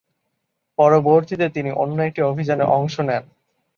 পরবর্তীতে তিনি অন্য একটি অভিযানে অংশ নেন।